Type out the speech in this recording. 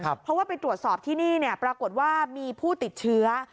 ครับเพราะว่าไปตรวจสอบที่นี่นี่เนี่ยปรากฎว่ามีผู้ติดเชื้อ